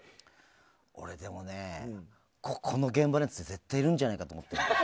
俺でもね、ここの現場のやつ絶対いるんじゃねえかと思って。